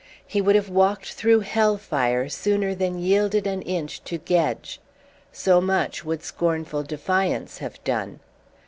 He would have walked through hell fire sooner than yielded an inch to Gedge. So much would scornful defiance have done.